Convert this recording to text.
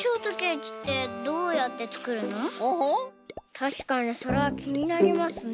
たしかにそれはきになりますね。